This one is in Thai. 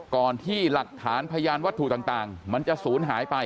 ก่อนที่หลักฐานพยานวัตถุต่างมันจะศูนย์หายไป